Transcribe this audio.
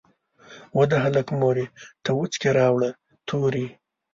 "وه د هلک مورې ته وڅکي راوړه توري".